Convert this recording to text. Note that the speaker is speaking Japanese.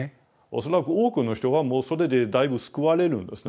恐らく多くの人はもうそれでだいぶ救われるんですね。